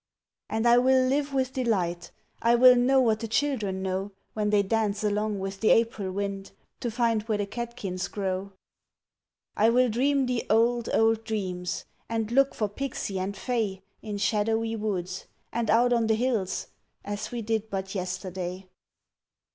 And I will live with Delight! I will know what the children know When they dance along with the April wind To find where the catkins grow! I will dream the old, old dreams, And look for pixie and fay In shadowy woods and out on the hills As we did but yesterday.